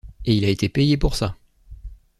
Et il a été payé pour ça.